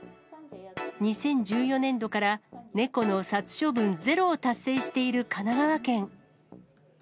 ２０１４年度から、猫の殺処分ゼロを達成している神奈川県。